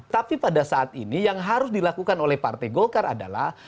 tapi pada saat ini yang harus dilakukan oleh partai golkar adalah